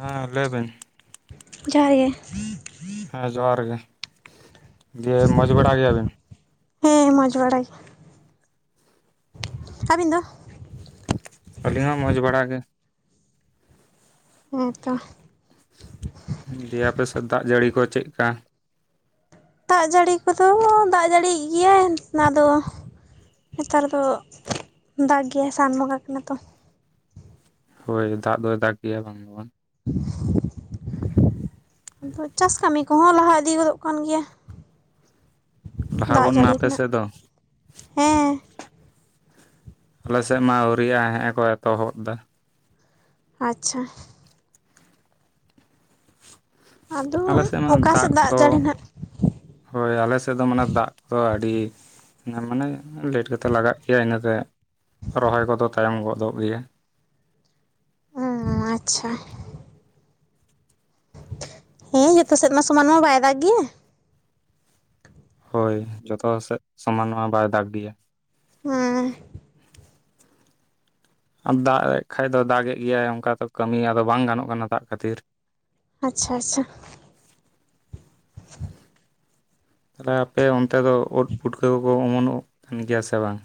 ᱦᱮᱸ ᱞᱟᱹᱭᱵᱮᱱ? ᱡᱚᱦᱟᱨ ᱜᱮ, ᱦᱮᱸ ᱡᱚᱦᱟᱨ ᱜᱮ ᱫᱤᱭᱮ ᱢᱚᱡᱽ ᱵᱟᱲᱟ ᱜᱮᱭᱟᱵᱤᱱ? ᱦᱮᱸ ᱢᱚᱸᱡᱽ ᱵᱟᱲᱟ ᱜᱮ᱾ ᱟᱹᱵᱤᱱ ᱫᱚ? ᱟᱹᱞᱤᱧ ᱦᱚᱸ ᱢᱚᱡᱽ ᱵᱟᱲᱟᱜ ᱜᱮ᱾ ᱦᱮᱸᱛᱚ᱾ ᱫᱤᱭᱮ ᱟᱯᱮ ᱥᱮᱫ ᱫᱟᱜ ᱡᱟᱹᱲᱤ ᱠᱚ ᱪᱮᱫᱠᱟ? ᱫᱟᱜ ᱡᱟᱹᱲᱤ ᱠᱚᱫᱚ ᱫᱟᱜ ᱡᱟᱹᱲᱤᱭᱮᱫ ᱜᱮᱭᱟᱭ ᱚᱱᱟᱫᱚ ᱱᱮᱛᱟᱨ ᱫᱚ ᱫᱟᱜ ᱜᱮᱭᱟᱭ ᱥᱟᱱᱢᱚᱸᱜᱟ ᱠᱟᱱᱟ ᱛᱚ᱾ ᱦᱳᱭ ᱫᱟᱜ ᱫᱚᱭ ᱫᱟᱜ ᱜᱮᱭᱟ ᱵᱟᱝ ᱫᱚ ᱵᱟᱝ᱾ ᱟᱫᱚ ᱪᱟᱥ ᱠᱟᱹᱢᱤ ᱠᱚᱦᱚᱸ ᱞᱟᱦᱟ ᱤᱫᱤ ᱜᱚᱫᱚᱜ ᱠᱟᱱ ᱜᱮᱭᱟ᱾ ᱞᱟᱦᱟ ᱫᱟᱜ ᱜᱚᱫ ᱱᱟ ᱡᱟᱹᱲᱤ ᱟᱯᱮ ᱨᱮᱱᱟᱜ ᱥᱮᱫ ᱫᱚ ᱦᱮᱸ᱾ ᱟᱞᱮᱥᱮᱫ ᱢᱟ ᱟᱹᱣᱨᱤᱭᱼᱟ ᱦᱮᱸ ᱮᱠᱚ ᱮᱛᱚᱦᱚᱵ ᱮᱫᱟ᱾ ᱟᱪᱪᱷᱟ᱾ ᱟᱫᱚ ᱟᱞᱮ ᱥᱮᱫ ᱢᱟ ᱚᱠᱟ ᱥᱮᱫ ᱫᱟᱜ ᱠᱚᱫᱚ ᱡᱟᱹᱲᱤ ᱱᱟᱜ ᱦᱳᱭ ᱟᱞᱮᱥᱮᱫ ᱫᱚ ᱢᱟᱱᱮ ᱫᱟᱜ ᱠᱚᱫᱚ ᱟᱹᱰᱤ ᱦᱮ ᱢᱟᱱᱮ ᱞᱮᱴ ᱠᱟᱛᱮᱴᱮᱫ ᱞᱟᱜᱟᱜ ᱜᱮᱭᱟ ᱤᱱᱟᱹᱛᱮ ᱨᱚᱦᱚᱭ ᱠᱚᱫᱚ ᱛᱟᱭᱚᱢ ᱜᱚᱫᱚᱜ ᱜᱮᱭᱟ᱾ ᱚ ᱟᱪᱪᱷᱟ᱾ ᱦᱮᱸ ᱡᱚᱛᱚ ᱥᱮᱫ ᱢᱟ ᱥᱚᱢᱟᱱ ᱢᱟ ᱵᱟᱭ ᱫᱟᱜ ᱜᱮᱭᱟ᱾ ᱦᱳᱭ ᱡᱚᱛᱚ ᱥᱮᱫ ᱥᱚᱢᱟᱱ ᱢᱟ ᱵᱟᱭ ᱫᱟᱜ ᱜᱮᱭᱟ᱾ ᱦᱮᱸ᱾ ᱟᱨ ᱫᱟᱜ ᱮᱫ ᱠᱷᱟ ᱫᱚ ᱫᱟᱜ ᱮᱫ ᱜᱮᱭᱟᱭ ᱚᱱᱠᱟ ᱛᱚ ᱠᱟᱹᱢᱤ ᱟᱫᱚ ᱵᱟᱝ ᱜᱟᱱᱚᱜ ᱠᱟᱱᱟ ᱫᱟᱜ ᱠᱷᱟᱹᱛᱤᱨ᱾ ᱟᱪᱪᱷᱟ ᱟᱪᱪᱷᱟ᱾ [unintelligible] ᱛᱟᱦᱚᱞᱮ ᱟᱯᱮ ᱚᱱᱛᱮ ᱫᱚ ᱳᱫᱽ ᱯᱩᱴᱠᱟᱹ ᱠᱚᱠᱚ ᱚᱢᱚᱱᱚᱜ ᱠᱟᱱ ᱜᱮᱭᱟ ᱥᱮ ᱵᱟᱝ?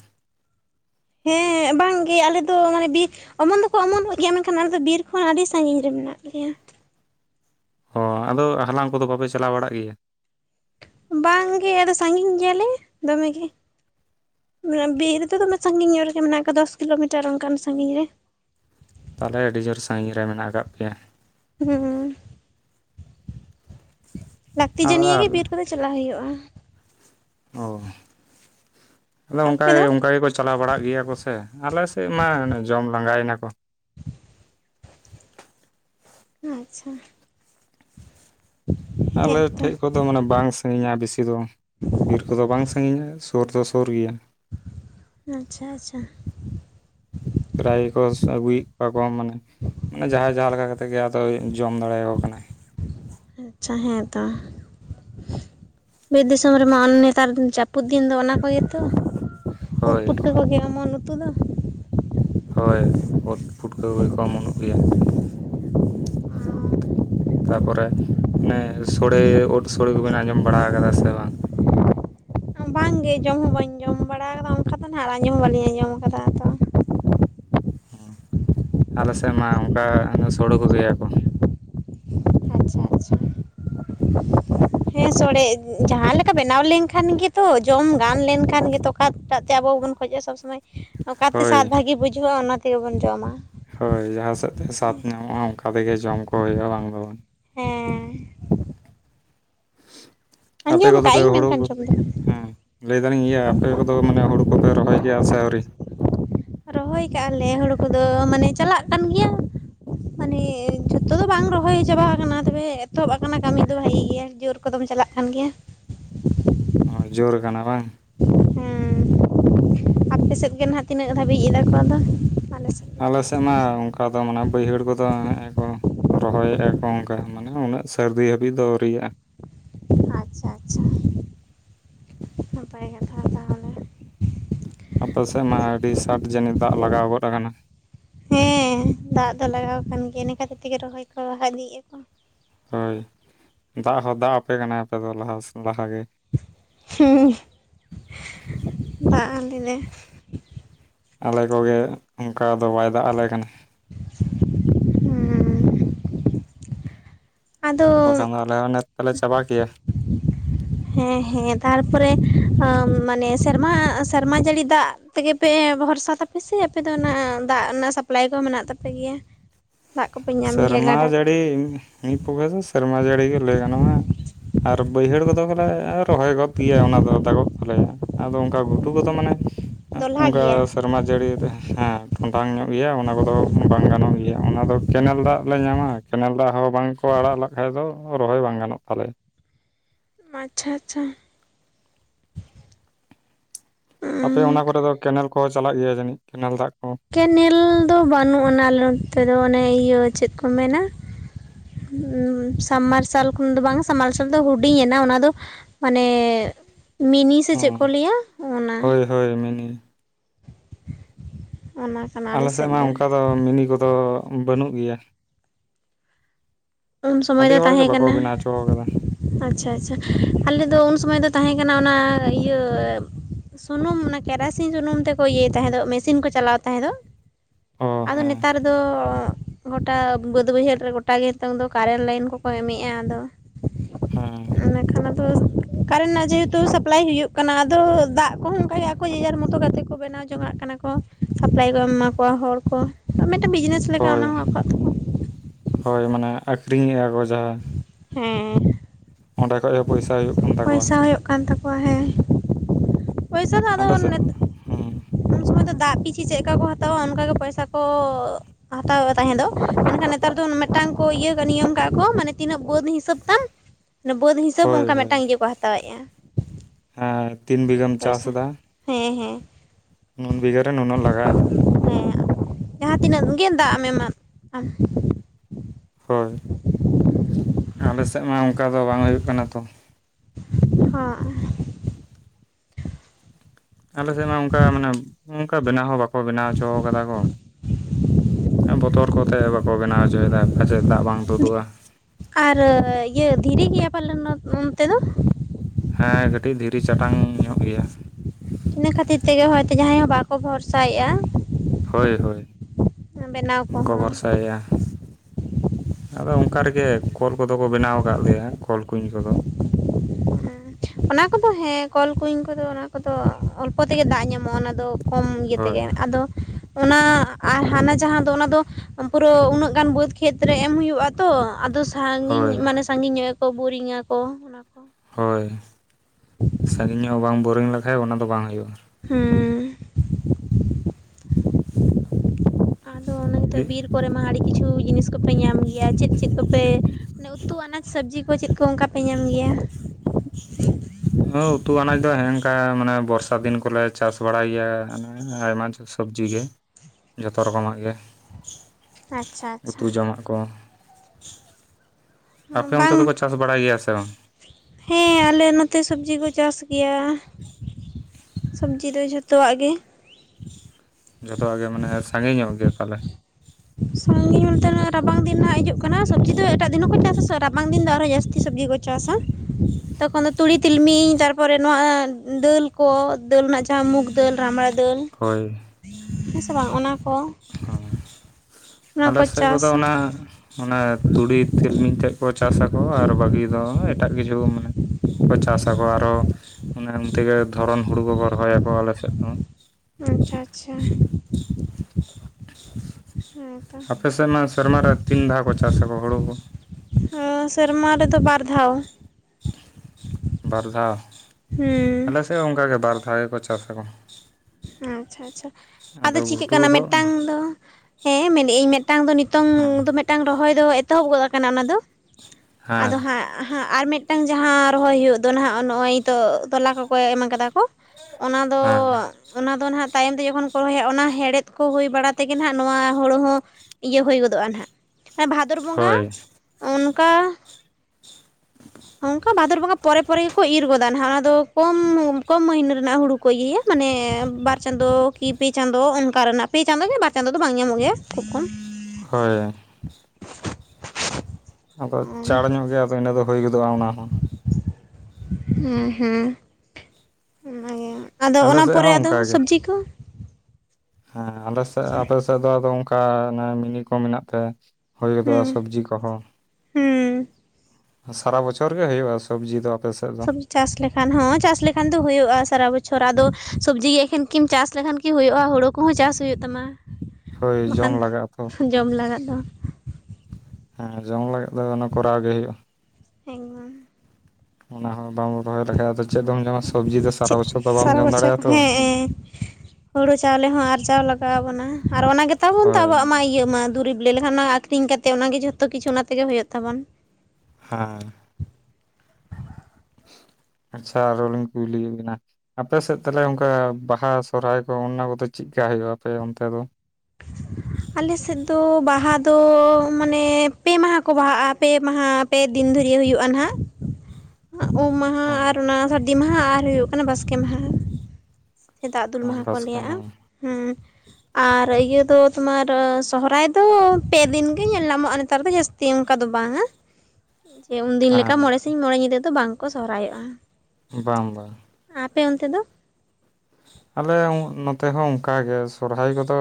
ᱦᱮᱸ ᱵᱟᱝᱜᱮ ᱟᱞᱮ ᱫᱚ ᱢᱟᱱᱮ ᱵᱤ ᱚᱢᱚᱱ ᱫᱚᱠᱚ ᱚᱢᱚᱱᱚᱜ ᱜᱮᱭᱟ, ᱢᱮᱱᱠᱷᱟᱱ ᱟᱞᱮ ᱫᱚ ᱵᱤᱨ ᱠᱷᱚᱱ ᱟᱹᱰᱤ ᱥᱟᱺᱜᱤᱧ ᱨᱮ ᱢᱮᱱᱟᱜ ᱞᱮᱭᱟ᱾ ᱚ ᱟᱫᱚ ᱦᱟᱞᱟᱝ ᱠᱚᱫᱚ ᱵᱟᱯᱮ ᱪᱟᱞᱟᱣ ᱵᱟᱲᱟᱜ ᱜᱮᱭᱟ? ᱵᱟᱝ ᱜᱮ ᱟᱫᱚ ᱥᱟᱺᱜᱤᱧ ᱜᱮᱭᱟ ᱞᱮ ᱫᱚᱢᱮ ᱜᱮ᱾ ᱢᱟᱱᱮ ᱵᱤᱨ ᱨᱮᱫᱚ ᱫᱚᱢᱮ ᱥᱟᱺᱜᱤᱧ ᱧᱚᱜ ᱨᱮᱜᱮ ᱢᱮᱱᱟᱜ ᱠᱟᱫᱟ ᱫᱚᱥ ᱠᱤᱞᱳᱢᱤᱴᱟᱨ ᱚᱱᱠᱟᱱ ᱥᱟᱺᱜᱤᱧ ᱨᱮ᱾ ᱛᱟᱦᱚᱞᱮ ᱟᱹᱰᱤ ᱡᱳᱨ ᱥᱟᱺᱜᱤᱧ ᱨᱮ ᱢᱮᱱᱟᱜ ᱟᱠᱟᱫ ᱯᱮᱭᱟ᱾ ᱦᱩᱸ᱾ ᱞᱟᱹᱠᱛᱤ ᱡᱟᱹᱱᱤᱭᱟᱹ ᱜᱮ ᱟᱨ ᱵᱤᱨ ᱠᱚᱫᱚ ᱪᱟᱞᱟᱜ ᱦᱩᱭᱩᱜᱼᱟ᱾ ᱚ ᱟᱫᱚ ᱚᱱᱠᱟ ᱟᱯᱮ ᱫᱚ ᱚᱱᱠᱟ ᱜᱮᱠᱚ ᱪᱟᱞᱟᱣ ᱵᱟᱲᱟᱜ ᱜᱮᱭᱟ ᱠᱚ ᱥᱮ ᱟᱞᱮ ᱥᱮᱫ ᱢᱟ ᱡᱚᱢ ᱞᱟᱸᱜᱟᱭᱮᱱᱟ ᱠᱚ᱾ ᱟᱪᱪᱷᱟ᱾ ᱟᱞᱮ ᱦᱮᱸᱛᱚ ᱴᱷᱮᱡ ᱠᱚᱫᱚ ᱢᱟᱱᱮ ᱵᱟᱝ ᱥᱟᱺᱜᱤᱧᱟ ᱵᱮᱥᱤ ᱫᱚ ᱵᱤᱨ ᱠᱚᱫᱚ ᱵᱟᱝ ᱥᱟᱺᱜᱤᱧᱟ ᱥᱩᱨ ᱫᱚ ᱥᱩᱨ ᱜᱮᱭᱟ᱾ ᱟᱪᱪᱷᱟ ᱟᱪᱪᱷᱟ᱾ ᱯᱨᱟᱭ ᱜᱮᱠᱚ ᱟᱹᱜᱩᱭᱮᱫ ᱠᱚᱣᱟ ᱠᱚ ᱢᱟᱱᱮ᱾ ᱢᱟᱱᱮ ᱡᱟᱦᱟᱸᱭ ᱡᱟᱦᱟᱸ ᱞᱮᱠᱟ ᱠᱟᱛᱮ ᱜᱮ ᱟᱫᱚᱭ ᱡᱚᱢ ᱫᱟᱲᱮᱭᱟᱠᱚ ᱠᱟᱱᱟᱭ᱾ ᱟᱪᱪᱷᱟ ᱦᱮᱸᱛᱚ᱾ ᱵᱤᱨ ᱫᱤᱥᱚᱢ ᱨᱮᱢᱟ ᱟᱨ ᱱᱮᱛᱟᱨ ᱫᱤᱱ ᱡᱟᱹᱯᱩᱫ ᱫᱤᱱ ᱫᱚ ᱚᱱᱟ ᱠᱚᱜᱮ ᱛᱚ᱾ ᱩᱫ, ᱦᱳᱭ ᱯᱩᱴᱠᱟᱹ ᱠᱚᱜᱮ ᱚᱢᱚᱱ ᱩᱛᱩ ᱫᱚ᱾ ᱦᱳᱭ ᱳᱫ ᱯᱩᱴᱠᱟᱹᱣ ᱜᱮᱠᱚ ᱚᱢᱚᱱᱚᱜ ᱜᱮᱭᱟ᱾ ᱛᱟᱯᱚᱨᱮ ᱢᱟᱱᱮ ᱥᱚᱲᱮ ᱳᱫ ᱥᱚᱲᱮ ᱠᱚᱵᱮᱱ ᱟᱸᱡᱚᱢ ᱵᱟᱲᱟ ᱟᱠᱟᱫᱟ ᱥᱮ ᱵᱟᱝ? ᱵᱟᱝ ᱜᱮ ᱡᱚᱢ ᱦᱚᱸ ᱵᱟᱹᱧ ᱡᱚᱢ ᱵᱟᱲᱟ ᱟᱠᱟᱫᱟ ᱚᱝᱠᱟ ᱫᱚ ᱱᱟᱦᱟᱜ ᱟᱸᱡᱚᱢ ᱦᱚᱸ ᱵᱟᱹᱞᱤᱧ ᱟᱸᱡᱚᱢ ᱟᱠᱟᱫᱟ ᱟᱫᱚ᱾ ᱦᱩᱸ, ᱟᱵᱚ ᱥᱮᱫ ᱢᱟ ᱚᱝᱠᱟ ᱥᱚᱲᱮ ᱠᱚ ᱜᱮᱭᱟ ᱠᱚ᱾ ᱟᱪᱪᱷᱟ ᱟᱪᱪᱷᱟ᱾ ᱦᱮᱸ ᱥᱚᱲᱮ ᱡᱟᱦᱟᱸ ᱞᱮᱠᱟ ᱵᱮᱱᱟᱣ ᱞᱮᱱᱠᱷᱟᱱ ᱜᱮᱛᱚ ᱡᱚᱢ ᱜᱟᱱ ᱞᱮᱱᱠᱷᱟᱱ ᱜᱮᱛᱚ ᱚᱠᱟᱴᱟᱜ ᱛᱮ ᱟᱵᱚ ᱵᱚᱱ ᱠᱷᱚᱡᱚᱜ-ᱟ, ᱥᱚᱵᱽ ᱥᱚᱢᱚᱭ, ᱚᱠᱟᱛᱮ ᱦᱳᱭ ᱥᱟᱫ ᱵᱷᱟᱹᱜᱤ ᱵᱩᱡᱷᱩᱜ-ᱟ ᱚᱱᱟ ᱛᱮᱜᱮ ᱵᱚᱱ ᱡᱚᱢᱟ᱾ ᱦᱳᱭ ᱡᱟᱦᱟᱸ ᱥᱮᱫ ᱛᱮ ᱥᱟᱫ ᱧᱟᱢᱚᱜ-ᱟ, ᱚᱝᱠᱟ ᱛᱮᱜᱮ ᱡᱚᱢ ᱠᱚ ᱦᱩᱭᱩᱜ-ᱟ ᱵᱟᱝ ᱫᱚ ᱵᱟᱝ᱾ ᱦᱮᱸ᱾ ᱟᱯᱮ ᱟᱸᱡᱚᱢ ᱠᱚᱫᱚ ᱠᱟᱜ ᱯᱮ ᱟᱹᱧ ᱦᱩᱲᱩ ᱢᱮᱱᱠᱷᱟᱱ ᱠᱚ ᱡᱚᱢ ᱫᱚ ᱦᱩᱸ᱾ ᱞᱟᱹᱭ ᱮᱫᱟᱞᱤᱧ ᱤᱭᱟᱹ ᱟᱯᱮ ᱠᱚᱫᱚ ᱢᱟᱱᱮ ᱦᱩᱲᱩ ᱠᱚᱯᱮ ᱨᱚᱦᱚᱭ ᱠᱮᱜ-ᱟ ᱥᱮ ᱟᱹᱣᱨᱤ? ᱨᱚᱦᱚᱭ ᱠᱟᱜ-ᱟᱞᱮ ᱦᱩᱲᱩ ᱠᱚᱫᱚ ᱢᱟᱱᱮ ᱪᱟᱞᱟᱜ ᱠᱟᱱ ᱜᱮᱭᱟ᱾ ᱢᱟᱱᱮ ᱡᱷᱚᱛᱚ ᱫᱚ ᱵᱟᱝ ᱨᱚᱦᱚᱭ ᱪᱟᱵᱟ ᱠᱟᱱᱟ ᱛᱚᱵᱮ ᱮᱛᱚᱦᱚᱵ ᱟᱠᱟᱱᱟ ᱠᱟᱹᱢᱤ ᱫᱚ ᱵᱷᱟᱜᱤ ᱜᱮ, ᱡᱳᱨ ᱠᱚᱫᱚᱢ ᱪᱟᱞᱟᱜ ᱠᱟᱱ ᱜᱮᱭᱟ᱾ ᱦᱮᱸ, ᱡᱳᱨ ᱠᱟᱱᱟ ᱵᱟᱝ? ᱦᱮᱸ ᱟᱯᱮ ᱥᱮᱫᱜᱮ ᱱᱟᱦᱟᱜ ᱛᱤᱱᱟᱹᱜ ᱫᱷᱟᱹᱵᱤᱡ ᱮᱫᱟ ᱠᱚ ᱟᱫᱚ? ᱟᱞᱮ ᱥᱮᱫ ᱢᱟ ᱚᱱᱠᱟ ᱫᱚ ᱢᱟᱱᱮ ᱵᱟᱹᱭᱦᱟᱹᱲ ᱠᱚᱫᱚ ᱦᱮᱸᱜ-ᱮ ᱠᱚ, ᱨᱚᱦᱚᱭᱮᱜ-ᱟ ᱠᱚ ᱚᱝᱠᱟ ᱢᱟᱱᱮ ᱩᱱᱟᱹᱜ ᱥᱟᱹᱨᱫᱤ ᱦᱟᱹᱵᱤᱡ ᱫᱚ ᱟᱹᱣᱨᱤᱭᱟᱜ-ᱟ᱾ ᱟᱪᱪᱷᱟ ᱟᱪᱪᱷᱟ, ᱱᱟᱯᱟᱭ ᱠᱟᱛᱷᱟ ᱛᱟᱦᱞᱮ᱾ ᱟᱯᱮ ᱥᱮᱫ ᱢᱟ ᱟᱹᱰᱤ ᱥᱟᱛ ᱡᱟᱹᱱᱤ ᱫᱟᱜ ᱞᱟᱜᱟᱣ ᱜᱚᱫ ᱟᱠᱟᱱᱟ? ᱦᱮᱸ ᱫᱟᱜ ᱫᱚ ᱞᱟᱜᱟᱣ ᱟᱠᱟᱱ ᱜᱮᱭᱟ, ᱤᱱᱟᱹ ᱠᱷᱟᱹᱛᱤᱨ ᱛᱮᱜᱮ ᱨᱚᱦᱚᱭ ᱠᱚ ᱞᱟᱦᱟ ᱤᱫᱤᱭᱮᱜ-ᱟ ᱠᱚ᱾ ᱦᱳᱭ, ᱫᱟᱜ ᱦᱚᱸ ᱫᱟᱜ ᱟᱯᱮ ᱠᱟᱱᱟᱭ, ᱟᱯᱮ ᱫᱚ ᱞᱟᱦᱟ ᱥᱮ ᱞᱟᱦᱟ‌ ᱜᱮ᱾ ᱦᱩᱸ, ᱫᱟᱜ ᱟᱜ ᱞᱮᱭᱟᱭ᱾ ᱟᱞᱮ ᱠᱚᱜᱮ ᱚᱝᱠᱟ ᱫᱚ ᱵᱟᱭ ᱫᱟᱜ-ᱟᱞᱮ ᱠᱟᱱᱟ᱾ ᱟᱫᱚ ᱵᱟᱠᱷᱟᱱ ᱢᱟ ᱟᱞᱮ ᱦᱚᱸ ᱱᱤᱛ ᱛᱮᱞᱮ ᱪᱟᱵᱟ ᱠᱮᱭᱟ᱾ ᱦᱮᱸ ᱦᱮᱸ ᱛᱟᱨᱯᱚᱨᱮ ᱟᱸ, ᱢᱟᱱᱮ ᱥᱮᱨᱢᱟ ᱟᱸ ᱥᱮᱨᱢᱟ ᱡᱟᱹᱲᱤ ᱫᱟᱜ ᱛᱮᱜᱮ ᱯᱮ ᱵᱷᱚᱨᱥᱟ ᱛᱟᱯᱮ ᱥᱮ, ᱟᱯᱮ ᱫᱚ ᱚᱱᱟ ᱫᱟᱜ ᱨᱮᱱᱟᱜ ᱥᱟᱯᱞᱟᱭ ᱠᱚᱦᱚᱸ ᱢᱮᱱᱟᱜ ᱛᱟᱯᱮᱜ ᱜᱮᱭᱟ? ᱫᱟᱜ ᱠᱚᱯᱮ ᱧᱟᱢ ᱜᱮᱭᱟ ᱥᱮᱨᱢᱟ ᱜᱟᱰᱟ ᱠᱷᱚᱱ ᱡᱟᱹᱲᱤ ᱢᱤᱫ ᱯᱠᱠᱷᱮ ᱫᱚ ᱥᱮᱨᱢᱟ ᱡᱟᱹᱲᱤ ᱜᱮ ᱞᱟᱹᱭ ᱜᱟᱱᱚᱜ-ᱟ ᱟᱨ ᱵᱟᱹᱭᱦᱟᱹᱲ ᱠᱚᱫᱚ ᱵᱚᱞᱮ ᱟᱨ ᱨᱚᱦᱚᱭ ᱜᱚᱫ ᱜᱮᱭᱟ, ᱚᱱᱟ ᱫᱚ ᱫᱟᱜᱚᱜ ᱛᱟᱞᱮᱭᱟ ᱟᱫᱚ ᱚᱝᱠᱟ ᱜᱷᱩᱴᱩ ᱠᱚᱫᱚ ᱢᱟᱱᱮ ᱫᱚᱞᱦᱟ ᱚᱝᱠᱟ ᱜᱮᱭᱟ ᱥᱮᱨᱢᱟ ᱡᱟᱹᱲᱤ ᱨᱮ ᱦᱮᱸ ᱴᱚᱰᱟᱝ ᱧᱚᱜ ᱜᱮᱭᱟ ᱚᱱᱟ ᱠᱚᱫᱚ ᱵᱟᱝ ᱜᱟᱱᱚᱜ ᱜᱮᱭᱟ ᱚᱱᱟ ᱫᱚ ᱠᱮᱱᱮᱞ ᱫᱟᱜ ᱞᱮ ᱧᱟᱢᱟ, ᱠᱮᱱᱮᱞ ᱫᱟᱜ ᱦᱚᱸ ᱵᱟᱝᱠᱚ ᱟᱲᱟᱜ ᱟᱞᱮ ᱠᱷᱟᱡ ᱫᱚ ᱨᱚᱦᱚᱭ ᱵᱟᱝ ᱜᱟᱱᱚᱜ ᱛᱟᱞᱮ᱾ ᱟᱪᱪᱷᱟ ᱟᱪᱪᱷᱟ᱾ ᱟᱯᱮ ᱚᱱᱟ ᱠᱚᱨᱮ ᱫᱚ ᱠᱮᱱᱮᱞ ᱠᱚᱦᱚᱸ ᱪᱟᱞᱟᱜ ᱜᱮᱭᱟ ᱡᱟᱹᱱᱤᱡ, ᱠᱮᱱᱮᱞ ᱫᱟᱜ ᱠᱚ? ᱠᱮᱱᱮᱞ ᱫᱚ ᱵᱟᱹᱱᱩᱜ ᱟᱱᱟ ᱟᱞᱮ ᱱᱚᱱᱛᱮ ᱫᱚ ᱚᱱᱮ ᱤᱭᱟᱹ ᱪᱮᱫ ᱠᱚ ᱢᱮᱱᱟ᱾ ᱩᱸᱻ ᱥᱟᱵᱽ ᱢᱟᱨᱥᱟᱞ ᱠᱷᱚᱱ ᱫᱚ ᱵᱟᱝ, ᱥᱟᱵᱽ ᱢᱟᱨᱥᱟᱞ ᱫᱚ ᱦᱩᱰᱤᱧᱮᱱᱟ ᱚᱱᱟ ᱫᱚ ᱢᱟᱱᱮ ᱢᱤᱱᱤ ᱥᱮ ᱪᱮᱫ ᱠᱚ ᱦᱚᱸ ᱞᱟᱹᱭᱟ ᱚᱱᱟ ᱦᱳᱭ ᱦᱳᱭ, ᱢᱤᱱᱤ ᱚᱱᱟ, ᱟᱞᱮ ᱥᱮᱫ ᱢᱟ ᱚᱱᱠᱟ ᱫᱚ ᱢᱤᱱᱤ ᱠᱚᱫᱚ ᱵᱟᱹᱱᱩᱜ ᱜᱮᱭᱟ᱾ ᱩᱱ ᱥᱚᱢᱚᱭ ᱟᱹᱰᱤ ᱫᱚ ᱦᱚᱲᱜᱮ ᱛᱟᱦᱮᱸ ᱵᱟᱠᱚ ᱠᱟᱱᱟ ᱵᱮᱱᱟᱣ ᱦᱚᱪᱚ ᱠᱟᱫᱟ᱾ ᱟᱪᱪᱷᱟ ᱟᱪᱪᱷᱟ ᱟᱞᱮ ᱫᱚ ᱩᱱ ᱥᱚᱢᱚᱭ ᱫᱚ ᱛᱟᱦᱮᱸ ᱠᱟᱱᱟ ᱚᱱᱟ ᱤᱭᱟᱹ ᱥᱩᱱᱩᱢ ᱚᱱᱟ ᱠᱮᱨᱟᱥᱤᱱ ᱥᱩᱱᱩᱢ ᱛᱮᱠᱚ ᱤᱭᱟᱹᱭ ᱛᱟᱦᱮᱸ ᱫᱚ ᱢᱮᱥᱤᱱ ᱠᱚ ᱪᱟᱞᱟᱣ ᱛᱟᱦᱮᱸ ᱫᱚ, ᱚ ᱟᱫᱚ ᱦᱮᱸ ᱱᱮᱛᱟᱨ ᱫᱚ ᱜᱚᱴᱟ ᱵᱟᱹᱫ ᱵᱟᱹᱭᱦᱟᱹᱲ ᱨᱮ ᱜᱚᱴᱟ ᱜᱮ, ᱱᱤᱛᱚᱝ ᱫᱚ ᱠᱟᱨᱮᱱᱴ ᱞᱟᱭᱤᱱ ᱠᱚᱠᱚ ᱮᱢᱮᱜᱼᱟ ᱟᱫᱚ, ᱦᱮᱸ, ᱠᱷᱟᱱ ᱟᱫᱚ ᱠᱟᱨᱮᱱ ᱨᱮᱱᱟᱜ ᱡᱮᱦᱮᱛᱩ ᱥᱟᱯᱞᱟᱭ ᱦᱩᱭᱩᱜ ᱠᱟᱱᱟ ᱟᱫᱚ ᱫᱟᱜ ᱠᱚᱦᱚᱸ ᱚᱱᱠᱟ ᱜᱮ ᱟᱠ ᱡᱮᱡᱟᱨ ᱢᱚᱛᱚ ᱠᱟᱛᱮ ᱠᱚ ᱵᱮᱱᱟᱣ ᱡᱚᱝ-ᱟᱜ ᱠᱟᱱᱟ ᱠᱚ ᱥᱟᱯᱞᱟᱭ ᱵᱟᱢ ᱮᱢᱟ ᱠᱚᱣᱟ ᱦᱚᱲ ᱠᱚ ᱢᱤᱫᱴᱮᱱ ᱵᱤᱡᱽᱱᱮᱥ, ᱞᱮᱠᱟ ᱦᱳᱭ, ᱚᱱᱟ ᱦᱚᱸ ᱟᱠᱚᱣᱟᱜ ᱛᱟᱠᱚ ᱦᱳᱭ ᱢᱟᱱᱮ ᱟᱹᱠᱷᱨᱤᱧᱮᱫᱼᱟ ᱠᱚ ᱡᱟᱦᱟᱸ᱾ ᱦᱮᱸ, ᱚᱸᱰᱮ ᱠᱷᱚᱡ ᱦᱚᱸ ᱯᱚᱭᱥᱟ ᱦᱩᱭᱩᱜ ᱠᱟᱱ ᱛᱟᱠᱚᱣᱟ ᱯᱚᱭᱥᱟ ᱦᱩᱭᱩᱜ ᱠᱟᱱ ᱛᱟᱠᱚᱣᱟ ᱦᱮᱸ᱾ ᱯᱚᱭᱥᱟ ᱫᱚ ᱟᱫᱚ ᱟᱞᱮ ᱥᱮᱫ ᱢᱟ᱾ ᱱᱤᱛᱚᱜ, ᱦᱮᱸ ᱩᱱ ᱥᱚᱢᱚᱭ ᱫᱚ ᱫᱟᱜ ᱯᱤᱪᱷᱤ ᱪᱮᱫᱠᱟ ᱠᱚ ᱦᱟᱛᱟᱣᱟ ᱚᱱᱠᱟᱜᱮ ᱯᱚᱭᱥᱟ ᱠᱚ, ᱦᱟᱛᱟᱣᱮᱫ ᱛᱟᱦᱮᱸ ᱫᱚ, ᱢᱮᱱᱠᱷᱟᱱ ᱱᱮᱛᱟᱨ ᱫᱚ ᱢᱤᱫᱴᱟᱝ ᱠᱚ ᱤᱭᱟᱹ ᱱᱤᱭᱚᱢ ᱠᱟᱜ ᱠᱚ ᱢᱟᱱᱮ ᱛᱤᱱᱟᱹᱜ ᱵᱟᱹᱫᱽ ᱦᱤᱥᱟᱹᱵ ᱛᱟᱢ᱾ ᱚᱱᱟ ᱵᱟᱹᱫᱽ ᱦᱤᱥᱟᱹᱵᱽ ᱦᱳᱭ ᱚᱱᱠᱟ ᱦᱳᱭ ᱢᱤᱫᱴᱟᱝ ᱤᱭᱟᱹ ᱠᱚ ᱦᱟᱛᱟᱣᱮᱜᱼᱟ᱾ ᱦᱮᱸ ᱛᱤᱱ ᱵᱤᱜᱷᱟᱹᱢ, ᱪᱟᱥ ᱯᱚᱭᱥᱟ ᱮᱫᱟ ᱦᱮᱸ ᱦᱮᱸ᱾ ᱱᱩᱱ ᱵᱤᱜᱟᱹ ᱨᱮ ᱱᱩᱱᱟᱹᱜ ᱞᱟᱜᱟᱜᱼᱟ᱾ ᱦᱮᱸ ᱡᱟᱦᱟᱸ ᱛᱤᱱᱟᱹᱜ ᱜᱮ ᱫᱟᱜ ᱮᱢ ᱮᱢᱟᱜ ᱟᱢ? ᱦᱳᱭ ᱟᱞᱮ ᱥᱮᱫ ᱢᱟ ᱚᱱᱠᱟ ᱫᱚ ᱵᱟᱝ ᱦᱩᱭᱩᱜ ᱠᱟᱱᱟ ᱛᱚ᱾ ᱦᱚᱸ᱾ ᱟᱞᱮᱥᱮᱫ ᱢᱟ ᱚᱱᱠᱟ ᱢᱟᱱᱮ ᱚᱱᱠᱟ ᱵᱮᱱᱟᱣ ᱦᱚᱸ ᱵᱟᱠᱚ ᱵᱮᱱᱟᱣ ᱦᱚᱪᱚ ᱠᱟᱫᱟ ᱠᱚ᱾ ᱵᱚᱛᱚᱨ ᱠᱚᱛᱮ ᱵᱟᱠᱚ ᱵᱮᱱᱟᱣ ᱚᱪᱚᱭᱮᱫᱟ ᱯᱟᱪᱮᱫ ᱫᱟᱜ ᱵᱟᱝ ᱛᱩᱫᱩᱜᱼᱟ᱾ ᱟᱨ ᱤᱭᱟᱹ ᱫᱷᱤᱨᱤ ᱜᱮᱭᱟ ᱯᱟᱞᱮᱱ ᱚᱱᱛᱮ ᱫᱚ? ᱦᱮᱸ ᱠᱟᱹᱴᱤᱡ ᱫᱷᱤᱨᱤ ᱪᱟᱴᱟᱝ ᱧᱚᱜ ᱜᱮᱭᱟ᱾ ᱤᱱᱟᱹ ᱠᱷᱟᱹᱛᱤᱨ ᱛᱮᱜᱮ ᱦᱚᱭᱛᱚ ᱡᱟᱦᱟᱸᱭ ᱦᱚᱸ ᱵᱟᱠᱚ ᱵᱷᱚᱨᱥᱟᱭᱮᱜᱼᱟ᱾ ᱦᱳᱭ ᱦᱳᱭ ᱵᱮᱱᱟᱣ ᱵᱟᱠᱚ ᱠᱚᱦᱚᱸ ᱵᱷᱚᱨᱥᱟᱭᱮᱜᱼᱟ᱾ ᱟᱫᱚ ᱚᱱᱠᱟ ᱨᱮᱜᱮ ᱠᱚᱞ ᱠᱚᱫᱚ ᱠᱚ ᱵᱮᱱᱟᱣ ᱠᱟᱫ ᱞᱮᱭᱟ ᱠᱚᱞ ᱠᱩᱧ ᱠᱚᱫᱚ᱾ ᱚᱱᱟ ᱠᱚᱫᱚ ᱦᱮᱸ ᱠᱚᱞ ᱠᱩᱧ ᱠᱚᱫᱚ ᱚᱱᱟ ᱠᱚᱫᱚ ᱚᱞᱯᱚ ᱛᱮᱜᱮ ᱫᱟᱜ ᱧᱟᱢᱚᱜᱼᱟ ᱚᱱᱟ ᱫᱚ, ᱠᱚᱢ ᱤᱭᱟᱹ ᱦᱳᱭ ᱛᱮᱜᱮ ᱟᱫᱚ, ᱚᱱᱟ ᱟᱨ ᱦᱟᱱᱟ ᱡᱟᱦᱟᱸ ᱫᱚ ᱚᱱᱟ ᱫᱚ ᱯᱩᱨᱟᱹ ᱩᱱᱟᱹᱜ ᱜᱟᱱ ᱵᱟᱹᱫᱽ ᱠᱷᱮᱛᱨᱮ ᱮᱢ ᱦᱩᱭᱩᱜ-ᱟ ᱛᱚ ᱟᱫᱚ, ᱥᱟᱺᱜᱤᱧ ᱦᱳᱭ ᱢᱟᱱᱮ ᱥᱟᱺᱜᱤᱧ ᱧᱚᱜ ᱠᱚ ᱵᱳᱨᱤᱝ ᱟᱠᱚ ᱚᱱᱟ ᱠᱚ, ᱦᱳᱭ ᱥᱟᱺᱜᱤᱧ ᱧᱚᱜ ᱵᱟᱝ ᱵᱳᱨᱤᱝ ᱞᱮᱠᱷᱟᱡ ᱚᱱᱟ ᱫᱚ ᱵᱟᱝ ᱦᱩᱭᱩᱜᱼᱟ᱾ ᱦᱩᱸ, ᱟᱫᱚ ᱚᱱᱟ ᱜᱮᱛᱚ ᱵᱤᱨ ᱠᱚᱨᱮ ᱢᱟ ᱟᱹᱰᱤ ᱠᱤᱪᱷᱩ ᱡᱤᱱᱤᱥ ᱠᱚᱯᱮ ᱧᱟᱢ ᱜᱮᱭᱟ ᱪᱮᱫ ᱪᱮᱫ ᱠᱚᱯᱮ? ᱩᱛᱩ ᱟᱱᱟᱡᱽ ᱥᱚᱵᱽᱡᱤ ᱠᱚ ᱪᱮᱫ ᱠᱚ ᱚᱱᱠᱟ ᱯᱮ ᱧᱟᱢ ᱜᱮᱭᱟ? ᱦᱮᱸ ᱩᱛᱩ ᱟᱱᱟᱡ ᱫᱚ ᱦᱮᱝᱠᱟ ᱢᱟᱱᱮ ᱵᱚᱨᱥᱟ ᱫᱤᱱ ᱠᱚᱞᱮ ᱪᱟᱥ ᱵᱟᱲᱟᱭ ᱜᱮᱭᱟ ᱦᱮ ᱟᱭᱢᱟ ᱪᱟᱥ᱾ ᱥᱚᱵᱽᱡᱤ ᱜᱮ, ᱡᱷᱚᱛᱚ ᱨᱚᱠᱚᱢᱟᱜ ᱜᱮ, ᱟᱪᱪᱷᱟ ᱟᱪᱪᱷᱟ ᱩᱛᱩ ᱡᱚᱢᱟᱜ ᱠᱚ᱾ ᱟᱯᱮ ᱚᱱᱛᱮ ᱵᱟᱝ ᱫᱚᱠᱚ ᱪᱟᱥ ᱵᱟᱲᱟᱭ ᱜᱮᱭᱟ ᱥᱮ ᱵᱟᱝ? ᱦᱮᱸ ᱟᱞᱮ ᱱᱚᱛᱮ ᱥᱚᱵᱽᱡᱤ ᱠᱚ ᱪᱟᱥ ᱜᱮᱭᱟ᱾ ᱥᱚᱵᱽᱡᱤ ᱫᱚ ᱡᱷᱚᱛᱚᱣᱟᱜ ᱜᱮ᱾ ᱡᱚᱛᱚᱣᱟᱜ ᱜᱮ ᱢᱟᱱᱮ ᱥᱟᱸᱜᱮ ᱧᱚᱜ ᱜᱮ ᱯᱟᱞᱮ? ᱥᱟᱺᱜᱤᱧ ᱢᱮᱱᱛᱮ ᱱᱚᱜᱼᱚᱭ ᱨᱟᱵᱟᱝ ᱫᱤᱱ ᱦᱟᱸᱜ ᱦᱤᱡᱩᱜ ᱠᱟᱱᱟ, ᱥᱚᱵᱽᱡᱤ ᱫᱚ ᱮᱴᱟᱜ ᱫᱤᱱ ᱦᱚᱸᱠᱚ ᱪᱟᱥᱼᱟᱥᱮ, ᱨᱟᱵᱟᱝ ᱫᱤᱱ ᱫᱚ ᱟᱨᱦᱚᱸ ᱡᱟᱹᱥᱛᱤ ᱥᱚᱵᱽᱡᱤ ᱠᱚ ᱪᱟᱥᱟ। ᱛᱚᱠᱷᱚᱱ ᱫᱚ ᱛᱩᱲᱤ-ᱛᱤᱞᱢᱤᱧ, ᱛᱟᱨᱯᱚᱨᱮ ᱱᱚᱣᱟ ᱫᱟᱹᱞ ᱠᱚ, ᱫᱟᱹᱞ ᱨᱮᱱᱟᱜ ᱡᱟᱦᱟᱸ ᱢᱩᱜᱽ ᱫᱟᱹᱞ ᱨᱟᱢᱲᱟ ᱫᱟᱹᱞ᱾ ᱦᱳᱭ। ᱦᱮᱸ ᱥᱮ ᱵᱟᱝ ᱚᱱᱟ ᱠᱚ, ᱦᱮᱸ, ᱚᱱᱟ ᱟᱞᱮ ᱠᱚ ᱥᱮᱫ ᱠᱚᱫᱚ ᱪᱟᱥᱟ ᱚᱱᱟ ᱢᱟᱱᱮ ᱛᱩᱲᱤ, ᱛᱤᱞᱢᱤᱧ ᱛᱮᱫ ᱠᱚ ᱪᱟᱥ ᱟᱠᱚ, ᱟᱨ ᱵᱟᱹᱠᱤ ᱫᱚ ᱮᱴᱟᱜ ᱠᱤᱪᱷᱩ ᱫᱚ ᱢᱟᱱᱮ ᱠᱚ ᱪᱟᱥ ᱟᱠᱚ, ᱟᱨᱚ ᱚᱱᱮ ᱚᱱᱛᱮᱜᱮ ᱫᱷᱚᱨᱚᱱ ᱦᱩᱲᱩ ᱠᱚᱠᱚ ᱨᱚᱦᱚᱭᱟᱠᱚ ᱟᱞᱮ ᱥᱮᱫ ᱠᱷᱚᱱ। ᱟᱪᱪᱷᱟ ᱟᱪᱪᱷᱟ᱾ ᱦᱮᱸ ᱛᱚ ᱟᱯᱮ ᱥᱮᱫ ᱢᱟ ᱥᱮᱨᱢᱟ ᱨᱮ ᱛᱤᱱ ᱫᱷᱟᱣ ᱠᱚ ᱪᱟᱥ ᱟᱠᱚ ᱦᱩᱲᱩ ᱠᱚ? ᱦᱩᱸ ᱥᱮᱨᱢᱟ ᱨᱮᱫᱚ ᱵᱟᱨ ᱫᱷᱟᱣ। ᱵᱟᱨ ᱫᱷᱟᱣ, ᱦᱩᱸ ᱟᱞᱮᱥᱮᱫ ᱚᱱᱠᱟᱜᱮ, ᱵᱟᱨ ᱫᱷᱟᱣ ᱜᱮᱠᱚ ᱪᱟᱥ ᱟᱠᱚ। ᱦᱮᱸ ᱟᱪᱪᱷᱟ ᱟᱪᱪᱷᱟ। ᱟᱫᱚ ᱪᱤᱠᱟᱹᱜ ᱜᱷᱩᱴᱩ ᱠᱟᱱᱟ, ᱠᱚᱫᱚ ᱢᱮᱴᱟᱝ ᱫᱚ ᱦᱮᱸ ᱢᱮᱱᱮᱫ ᱟᱹᱧ ᱢᱮᱫᱴᱟᱝ ᱫᱚ ᱱᱤᱛᱳᱝ ᱦᱮᱸ ᱫᱚ ᱢᱮᱫ ᱴᱟᱝ ᱨᱚᱦᱚᱭ ᱫᱚ ᱮᱛᱚᱦᱚᱵ ᱜᱚᱫ ᱟᱠᱟᱱᱟ ᱚᱱᱟ ᱫᱚ, ᱦᱮᱸ ᱟᱫᱚ ᱦᱟᱸᱜ ᱟ ᱦᱟᱸᱜ ᱟᱨ ᱢᱤᱫᱴᱟᱝ ᱡᱟᱦᱟᱸ ᱨᱚᱦᱚᱭ ᱦᱩᱭᱩᱜ ᱫᱚ ᱱᱦᱟᱸᱜ, ᱱᱚᱜᱼᱚᱸᱚᱭ ᱱᱤᱛᱚᱜ ᱛᱚᱞᱟ ᱠᱚᱠᱚ ᱮᱢ ᱠᱟᱫᱟ ᱠᱚ, ᱚᱱᱟ ᱫᱚ ᱦᱮᱸ ᱚᱱᱟ ᱫᱚ ᱱᱦᱟᱜ ᱛᱟᱭᱚᱢ ᱛᱮ ᱡᱚᱠᱷᱚᱱ ᱠᱚ ᱨᱚᱦᱚᱭᱟ, ᱚᱱᱟ ᱦᱮᱲᱦᱮᱫ ᱠᱚ ᱦᱩᱭ ᱵᱟᱲᱟ ᱛᱮᱜᱮ ᱱᱦᱟᱜ ᱱᱚᱣᱟ ᱦᱩᱲᱩ ᱦᱚᱸ ᱼᱼ ᱤᱭᱟᱹ ᱦᱩᱭ ᱜᱚᱫᱚᱜᱼᱟ ᱱᱟᱦᱟᱸᱜ, ᱚᱱᱟ ᱵᱷᱟᱫᱚᱨ ᱵᱚᱸᱜᱟ ᱦᱳᱭ ᱚᱱᱠᱟ ᱚᱝᱠᱟ ᱵᱷᱟᱫᱚᱨ ᱵᱚᱸᱜᱟ ᱯᱚᱨᱮ ᱯᱚᱨᱮ ᱜᱮᱠᱚ ᱤᱨ ᱜᱚᱫᱟ ᱱᱟᱦᱟᱜ। ᱚᱱᱟ ᱫᱚ ᱠᱚᱢ ᱠᱚᱢ ᱢᱟᱭᱱᱟᱹ ᱨᱮᱱᱟᱜ ᱦᱩᱲᱩ ᱠᱚ ᱤᱭᱟᱹᱭᱟ᱾ ᱢᱟᱱᱮ ᱵᱟᱨ ᱪᱟᱸᱫᱚ ᱠᱤ ᱯᱮ ᱪᱟᱸᱫᱚ ᱚᱱᱠᱟ ᱨᱮᱱᱟᱜ, ᱯᱮ ᱪᱟᱸᱫᱚ ᱜᱮ ᱵᱟᱨ ᱪᱟᱸᱫᱚ ᱫᱚ ᱵᱟᱝ ᱧᱟᱢᱚᱜ ᱜᱮᱭᱟ। [unintelligible] ᱦᱳᱭ᱾ ᱟᱫᱚ ᱪᱟᱲ ᱧᱚᱜ ᱜᱮ ᱟᱫᱚ ᱤᱱᱟᱹ ᱫᱚ ᱦᱩᱭ ᱜᱚᱫᱚᱜᱼᱟ ᱚᱱᱟ ᱦᱚᱸ᱾ ᱦᱩᱸ ᱦᱮᱸ ᱚᱱᱟᱜᱮ᱾ ᱟᱫᱚ ᱟᱞᱮ ᱚᱱᱟ ᱥᱮᱫ ᱯᱚᱨᱮ ᱦᱚᱸ ᱟᱫᱚ ᱚᱱᱠᱟ ᱜᱮ ᱥᱚᱵᱽᱡᱤ ᱠᱚ ᱦᱮᱸ ᱟᱞᱮ ᱥᱮᱫ, ᱟᱪᱪᱷᱟ ᱟᱯᱮ ᱥᱮᱫ ᱫᱚ ᱟᱫᱚ ᱚᱱᱠᱟ ᱚᱱᱮ ᱢᱤᱱᱤ ᱠᱚ ᱢᱮᱱᱟᱜ ᱛᱮ ᱦᱩᱭ ᱜᱚᱫᱚᱜᱼᱟ ᱦᱮᱸ ᱥᱚᱵᱽᱡᱤ ᱠᱚᱦᱚᱸ। ᱦᱮᱸ ᱥᱟᱨᱟ ᱵᱚᱪᱷᱚᱨ ᱜᱮ ᱦᱩᱭᱩᱜᱼᱟ ᱥᱚᱵᱡᱤ ᱫᱚ ᱟᱯᱮ ᱥᱮᱫ ᱫᱚ ᱥᱚᱵᱽᱡᱤ ᱪᱟᱥ ᱞᱮᱠᱷᱟᱱ ᱦᱚᱸ ᱪᱟᱥ ᱞᱮᱠᱷᱟᱱ ᱫᱚ ᱦᱩᱭᱩᱜᱼᱟ ᱥᱟᱨᱟ ᱵᱚᱪᱷᱚᱨ᱾ ᱟᱫᱚ ᱥᱚᱵᱽᱡᱤ ᱜᱮ ᱮᱠᱷᱮᱱ ᱠᱤᱢ ᱪᱟᱥ ᱞᱮᱠᱷᱟᱱ ᱠᱤ ᱦᱩᱭᱩᱜᱼᱟ? ᱦᱳᱲᱳ ᱠᱚᱦᱚᱸ ᱪᱟᱥ ᱦᱩᱭᱩᱜ ᱛᱟᱢᱟ। [inaudible] ᱵᱟᱠᱷᱟᱱ ᱡᱚᱢ ᱞᱟᱜᱟᱜᱼᱟ ᱛᱚ ᱡᱚᱢ ᱞᱟᱜᱟᱫ ᱫᱚ ᱦᱮᱸ ᱡᱚᱢ ᱞᱟᱹᱜᱤᱫ ᱫᱚ ᱚᱱᱟ ᱠᱚᱨᱟᱣ ᱜᱮ ᱦᱩᱭᱩᱜᱼᱟ। ᱮᱠᱫᱚᱢ। ᱚᱱᱟ ᱦᱚᱸ ᱵᱟᱢ ᱨᱚᱦᱚᱭ ᱞᱮᱠᱷᱟᱡ, ᱟᱫᱚ ᱪᱮᱫ ᱫᱚᱢ ᱡᱚᱢᱟ? ᱥᱚᱵᱡᱤ ᱫᱚ ᱥᱟᱨᱟ ᱵᱚᱪᱷᱚᱨ ᱫᱚ ᱵᱟᱢ ᱡᱚᱢ ᱫᱟᱲᱮᱭᱟᱜᱼᱟ ᱛᱚ? ᱦᱩᱲᱳ ᱪᱟᱣᱞᱮ ᱦᱚᱸ ᱟᱨᱡᱟᱣ ᱞᱟᱜᱟᱣ ᱟᱵᱚᱱᱟ᱾ ᱟᱨ ᱚᱱᱟ ᱜᱮ ᱛᱟᱵᱚᱱ ᱛᱚ ᱦᱳᱭ ᱟᱵᱚᱣᱟᱜ ᱢᱟ ᱤᱭᱟᱹᱜ ᱢᱟ ᱫᱩᱨᱤᱵᱽ, ᱞᱮᱟᱹᱭ ᱞᱮᱠᱷᱟᱱ ᱚᱱᱟ ᱟᱠᱷᱨᱤᱧ ᱠᱟᱛᱮ ᱚᱱᱟᱜ ᱜᱮ ᱡᱷᱚᱛᱚ ᱠᱤᱪᱷᱩ ᱚᱱᱟᱜᱮ ᱦᱩᱭᱩᱜ ᱛᱟᱵᱚᱱ᱾ ᱦᱮᱸ᱾ ᱟᱪᱪᱷᱟ ᱟᱨᱚ ᱞᱤᱧ ᱠᱩᱞᱤᱭᱮᱫ ᱵᱤᱱᱟ᱾ ᱟᱯᱮᱥᱮᱫ ᱛᱟᱦᱚᱞᱮ ᱚᱱᱠᱟ ᱵᱟᱦᱟ ᱥᱚᱦᱚᱨᱟᱭ ᱠᱚ, ᱚᱱᱟ ᱠᱚᱫᱚ ᱪᱮᱫᱠᱟ ᱦᱩᱭᱩᱜ ᱟᱯᱮ ᱚᱱᱛᱮ ᱫᱚ? [inaudible] ᱟᱞᱮ ᱥᱮᱫ ᱫᱚ ᱵᱟᱦᱟ ᱫᱚ ᱢᱟᱱᱮ ᱯᱮ ᱢᱟᱦᱟ ᱠᱚ ᱵᱟᱦᱟᱜᱼᱟ ᱯᱮ ᱢᱟᱦᱟ ᱯᱮ ᱫᱤᱱ ᱫᱷᱚᱨᱤᱭᱟᱹ ᱦᱩᱭᱩᱜᱼᱟ ᱱᱟᱦᱟᱸᱜ। [inaudible] ᱩᱢ ᱢᱟᱦᱟ, ᱚ ᱟᱨ ᱚᱱᱟ ᱥᱟᱹᱨᱫᱤ ᱢᱟᱦᱟ, ᱟᱨ ᱦᱩᱭᱩᱜ ᱠᱟᱱᱟ ᱵᱟᱥᱠᱮ ᱢᱟᱦᱟ। ᱫᱟᱜ ᱫᱩᱞ ᱢᱟᱦᱟ ᱠᱚ ᱵᱟᱥᱠᱮ ᱞᱟᱹᱭᱟᱜᱼᱟ ᱢᱟ ᱦᱩᱸ ᱾ ᱟᱨ ᱤᱭᱟᱹ ᱫᱚ ᱛᱳᱢᱟᱨ ᱥᱚᱦᱚᱨᱟᱭ ᱫᱚ ᱯᱮ ᱫᱤᱱ ᱜᱮ ᱧᱮᱞ ᱧᱟᱢᱚᱜᱼᱟ ᱱᱮᱛᱟᱨ ᱫᱚ ᱡᱟᱹᱥᱛᱤ ᱾ ᱛᱤ ᱚᱱᱠᱟ ᱫᱚ ᱵᱟᱝᱟ ᱾ [unintelligible] ᱡᱮ ᱩᱱᱫᱤᱱ ᱞᱮᱠᱟ ᱦᱮᱸ ᱢᱚᱬᱮ ᱥᱤᱧ ᱢᱚᱬᱮ ᱧᱤᱫᱟᱹ ᱫᱚ ᱵᱟᱝᱠᱚ ᱥᱚᱦᱨᱟᱭᱚᱜᱼᱟ ᱾ ᱵᱟᱝ ᱵᱟᱝ ᱾ ᱟᱯᱮ ᱚᱱᱛᱮ ᱫᱚ? ᱟᱞᱮ ᱱᱚᱛᱮ ᱦᱚᱸ ᱚᱱᱠᱟ ᱜᱮ ᱥᱚᱨᱦᱟᱭ ᱠᱚᱫᱚᱼᱼ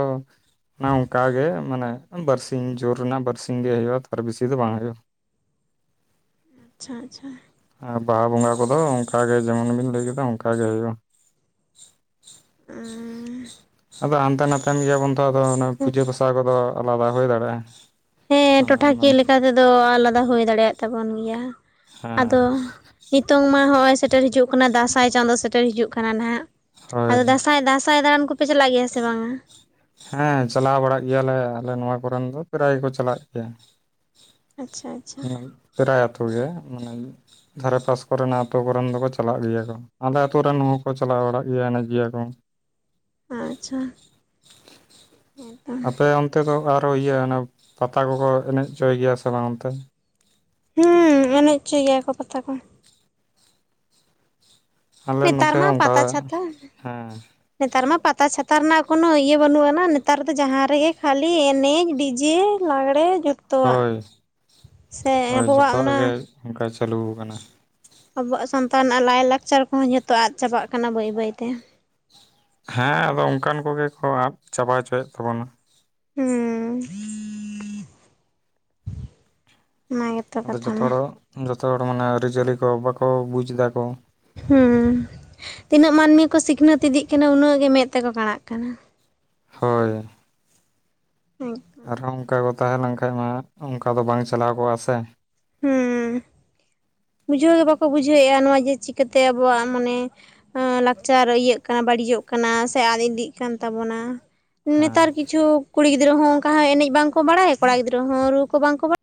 ᱚᱱᱮ ᱚᱱᱠᱟ ᱜᱮ ᱢᱟᱱᱮ ᱵᱟᱨᱥᱤᱧ ᱡᱳᱨ ᱨᱮᱱᱟᱜ ᱵᱟᱨᱥᱤᱧ ᱜᱮ ᱦᱩᱭᱩᱜᱼᱟ ᱛᱟᱨ ᱵᱤᱥᱤ ᱫᱚ ᱵᱟᱝ ᱦᱳᱭᱳᱜᱼᱟ ᱾ ᱟᱪᱪᱷᱟ ᱟᱪᱪᱷᱟ ᱾ ᱟᱨ ᱵᱟᱦᱟ ᱵᱚᱸᱜᱟ ᱠᱚᱫᱚ ᱚᱱᱠᱟᱜᱮ ᱡᱮᱢᱚᱱ ᱵᱤᱱ ᱞᱟᱹᱭ ᱠᱮᱫᱟ ᱚᱱᱠᱟ ᱜᱮ ᱦᱩᱭᱩᱜᱼᱟ ᱾ ᱟᱫᱚ ᱦᱟᱱᱛᱮ ᱱᱟᱛᱮᱼᱼ ᱠᱟᱱ ᱜᱮᱭᱟ ᱵᱚᱱ ᱛᱚ, ᱟᱫᱚ ᱯᱩᱡᱟᱹ ᱦᱮᱸ ᱯᱟᱥᱟ ᱠᱚᱫᱚ ᱟᱞᱟᱫᱟ ᱦᱩᱭ ᱫᱟᱲᱮᱭᱟᱜᱼᱟ ᱾ ᱴᱚᱴᱷᱟᱠᱤᱭᱟᱹ ᱞᱮᱠᱟ ᱛᱮᱫᱚ ᱟᱞᱟᱫᱟ ᱦᱩᱭ ᱫᱟᱲᱮᱭᱟᱜᱼᱟ ᱛᱟᱵᱚᱱ ᱜᱮᱭᱟ ᱾ ᱟᱫᱚᱼᱼ ᱦᱮᱸ ᱱᱤᱛᱚᱝ ᱢᱟ ᱦᱚᱜ-ᱚᱭ ᱥᱮᱴᱮᱨ ᱦᱤᱡᱩᱜ ᱠᱟᱱᱟ ᱫᱟᱸᱥᱟᱭ ᱪᱟᱸᱫᱚ ᱥᱮᱴᱮᱨ ᱦᱤᱡᱩᱜ ᱠᱟᱱᱟ ᱱᱟᱜ ᱾ ᱦᱳᱭ ᱟᱫᱚ ᱫᱟᱸᱥᱟᱭ, ᱫᱟᱸᱥᱟᱭ ᱫᱟᱬᱟᱱ ᱠᱚᱯᱮ ᱪᱟᱞᱟᱜ ᱜᱮᱭᱟ ᱥᱮ ᱵᱟᱝ-ᱟ? ᱦᱮᱸ, ᱪᱟᱞᱟᱣ ᱵᱟᱲᱟᱜ ᱜᱮᱭᱟᱞᱮ ᱟᱞᱮ ᱱᱚᱣᱟ ᱠᱚᱨᱮᱱ ᱫᱚ ᱯᱨᱟᱭ ᱜᱮᱠᱚ ᱪᱟᱞᱟᱜ ᱜᱮᱭᱟ᱾ ᱟᱪᱪᱷᱟ ᱾ ᱯᱨᱟᱭ ᱟᱛᱳᱩ ᱜᱮ ᱢᱟᱱᱮ ᱫᱷᱟᱨᱮ ᱯᱟᱥ ᱠᱚᱨᱮᱱᱟᱜ ᱟᱹᱛᱩ ᱠᱚᱨᱮᱱ ᱫᱚᱠᱚ ᱪᱟᱞᱟᱜ ᱜᱮᱭᱟ ᱠᱚ ᱾ ᱟᱞᱮ ᱟᱛᱩ ᱨᱮᱱ ᱦᱚᱠᱚ ᱪᱟᱞᱟᱣ ᱵᱟᱲᱟᱜ ᱜᱮᱭᱟ ᱮᱱᱮᱡ ᱜᱮᱭᱟ ᱠᱚ ᱾ ᱟᱪᱪᱷᱟ ᱾ ᱟᱯᱮ ᱚᱱᱛᱮ ᱫᱚ ᱟᱨᱚ ᱤᱭᱟᱹ ᱯᱟᱛᱟ ᱠᱚᱠᱚ ᱮᱱᱮᱡ ᱦᱚᱪᱚᱭ ᱜᱮᱭᱟ ᱥᱮ ᱵᱟᱝ ᱚᱱᱛᱮ? ᱦᱩᱸ ᱮᱱᱮᱡ ᱦᱚᱪᱚᱭ ᱜᱮᱭᱟ ᱠᱚ ᱯᱟᱛᱟ ᱠᱚ ᱾ ᱟᱞᱮ ᱱᱮᱛᱟᱨ ᱱᱚᱛᱮ ᱢᱟ ᱦᱚᱸ ᱚᱱᱠᱟ ᱯᱟᱛᱟ ᱪᱷᱟᱛᱟ ᱦᱮᱸ ᱾ ᱱᱮᱛᱟᱨ ᱢᱟ ᱯᱟᱛᱟ ᱪᱷᱟᱛᱟ ᱨᱮᱱᱟᱜ ᱠᱳᱱᱚ ᱤᱭᱟᱹ ᱵᱟᱹᱱᱩᱜ ᱟᱱᱟ, ᱱᱮᱛᱟᱨ ᱫᱚ ᱡᱟᱦᱟᱸ ᱨᱮᱜᱮ ᱠᱷᱟᱹᱞᱤ ᱮᱱᱮᱡ ᱰᱤᱡᱮᱼᱼ ᱞᱟᱜᱽᱲᱮ ᱡᱚᱛᱚᱣᱟᱜ, ᱦᱳᱭ ᱥᱮ ᱦᱳᱭ ᱟᱵᱚᱣᱟᱜ ᱡᱚᱛᱚᱣᱟᱜ ᱚᱱᱟᱼᱼ ᱜᱮ ᱚᱱᱠᱟ ᱪᱟᱹᱞᱩ ᱠᱟᱱᱟ ᱾ ᱟᱵᱚᱣᱟᱜ ᱥᱟᱱᱛᱟ ᱨᱮᱱᱟᱜ ᱞᱟᱭᱞᱟᱠᱪᱟᱨ ᱠᱚᱦᱚᱸ ᱡᱚᱛᱚ ᱟᱫ ᱪᱟᱵᱟᱜ ᱠᱟᱱᱟ ᱵᱟᱹᱭ ᱵᱟᱹᱭ ᱛᱮ ᱾ ᱦᱮᱸ, ᱟᱫᱚ ᱚᱱᱠᱟᱱ ᱠᱚᱜᱮ ᱠᱚ ᱟᱫ ᱪᱟᱵᱟ ᱦᱚᱪᱚᱭᱮᱫ ᱛᱟᱵᱚᱱᱟ ᱾ ᱦᱩᱸ ᱾ ᱟᱫᱚ ᱡᱚᱛᱚ ᱦᱚᱲ ᱡᱚᱛᱚ ᱦᱚᱲ ᱢᱟᱱᱮ ᱟᱹᱨᱤ ᱪᱟᱹᱞᱤ ᱠᱚ ᱵᱟᱠᱚ ᱵᱩᱡᱽ ᱫᱟᱠᱚ ᱾ ᱦᱩᱸ, ᱛᱤᱱᱟᱹᱜ ᱢᱟᱹᱱᱢᱤ ᱠᱚ ᱥᱤᱠᱷᱱᱟᱹᱛ ᱤᱫᱤᱜ ᱠᱟᱱᱟ ᱩᱱᱟᱹᱜ ᱜᱮ ᱢᱮᱫ ᱛᱮᱠᱚ ᱠᱟᱲᱟᱜ ᱠᱟᱱᱟ ᱾ ᱦᱚᱭ ᱾ ᱟᱨᱦᱚᱸ ᱚᱱᱠᱟ ᱠᱚ ᱛᱟᱦᱮᱸ ᱞᱮᱱᱠᱷᱟᱡ ᱢᱟ ᱚᱱᱠᱟ ᱫᱚ ᱵᱟᱝ ᱪᱟᱞᱟᱣ ᱠᱚᱜᱼᱟ ᱥᱮ ᱾ ᱦᱩᱸ, ᱵᱩᱡᱷᱟᱹᱣ ᱜᱮ ᱵᱟᱠᱚ ᱵᱩᱡᱷᱟᱹᱣᱮᱫ-ᱟ ᱱᱚᱣᱟ ᱡᱮ ᱪᱤᱠᱟᱹᱛᱮ ᱟᱵᱚᱣᱟᱜ ᱢᱟᱱᱮᱼᱼ ᱞᱟᱠᱪᱟᱨ ᱤᱭᱟᱹᱜ ᱠᱟᱱᱟ ᱵᱟᱹᱲᱤᱡᱚᱜ ᱠᱟᱱᱟ ᱥᱮ ᱟᱫ ᱤᱫᱤᱜ ᱠᱟᱱ ᱛᱟᱵᱚᱱᱟ ᱾ ᱦᱮᱸ ᱱᱮᱛᱟᱨ ᱠᱤᱪᱷᱩ ᱠᱩᱲᱤ ᱜᱤᱫᱽᱨᱟᱹ ᱦᱚᱸ ᱚᱱᱠᱟ ᱦᱚᱸ ᱮᱱᱮᱡ ᱵᱟᱝᱠᱚ ᱵᱟᱲᱟᱭ ᱠᱚᱲᱟ ᱜᱤᱫᱽᱨᱟᱹ ᱦᱚᱸ ᱨᱩ ᱠᱚ ᱵᱟᱝ ᱠᱚ ᱵᱟᱲᱟᱭ ᱾